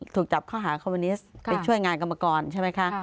ถูกจับข้อหาคอมมิวนิสต์ไปช่วยงานกรรมกรใช่ไหมคะ